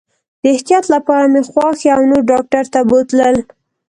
د احتیاط لپاره مې خواښي او نور ډاکټر ته بوتلل.